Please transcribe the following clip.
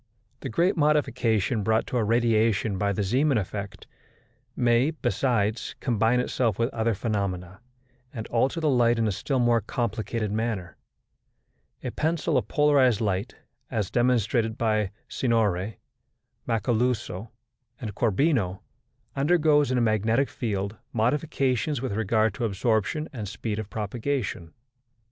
The great modification brought to a radiation by the Zeeman effect may, besides, combine itself with other phenomena, and alter the light in a still more complicated manner. A pencil of polarized light, as demonstrated by Signori Macaluzo and Corbino, undergoes, in a magnetic field, modifications with regard to absorption and speed of propagation.